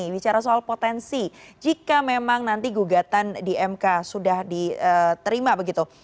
bicara soal potensi jika memang nanti gugatan di mk sudah diterima begitu